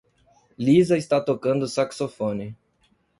Lisa está tocando saxofone.